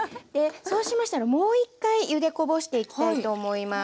そうしましたらもう一回ゆでこぼしていきたいと思います。